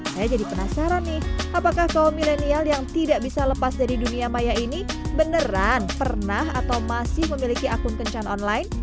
saya jadi penasaran nih apakah kaum milenial yang tidak bisa lepas dari dunia maya ini beneran pernah atau masih memiliki akun kencan online